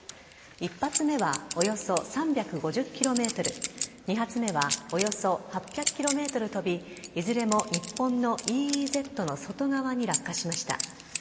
１発目はおよそ３５０ｋｍ２発目はおよそ８００ｋｍ飛びいずれも日本のＥＥＺの外側に落下しました。